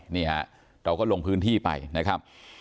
นี่ฮะเราก็ลงพื้นที่ไปนะครับ